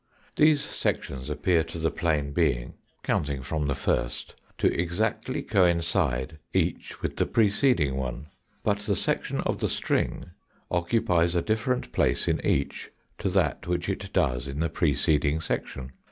These sections appear to the plane being, counting from the first, to exactly coincide each with the preceding one. But the section of the string occupies a different place in each to that which it does in the preceding section.